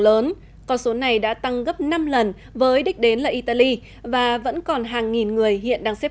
lớn con số này đã tăng gấp năm lần với đích đến là italy và vẫn còn hàng nghìn người hiện đang xếp